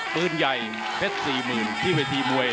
ปืนใหญ่เฟส๔๐ที่วิทีมวย